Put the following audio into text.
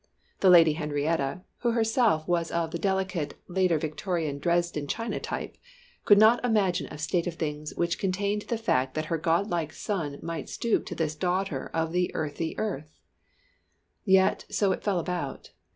The Lady Henrietta, who herself was of the delicate Later Victorian Dresden China type, could not imagine a state of things which contained the fact that her god like son might stoop to this daughter of the earthy earth! Yet so it fell about.